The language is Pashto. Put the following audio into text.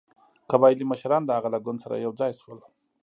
قبایلي مشران د هغه له ګوند سره یو ځای شول.